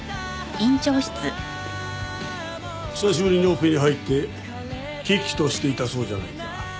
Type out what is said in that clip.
久しぶりにオペに入って喜々としていたそうじゃないか。